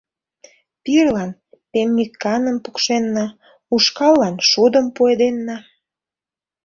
Пирылан пеммиканым пукшенна, ушкаллан шудым пуэденна.